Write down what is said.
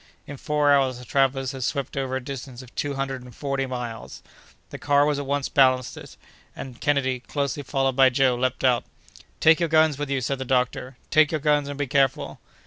In four hours the travellers had swept over a distance of two hundred and forty miles! The car was at once ballasted, and Kennedy, closely followed by Joe, leaped out. "Take your guns with you!" said the doctor; "take your guns, and be careful!"